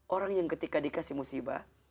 orang yang ketika dikasih musibah